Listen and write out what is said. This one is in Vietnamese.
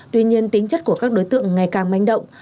tuy nhiên tính chất của các đối tượng ngày càng manh động